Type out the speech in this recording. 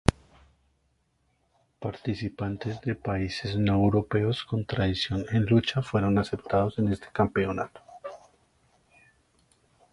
Participantes de países no europeos con tradición en lucha fueron aceptados en este campeonato.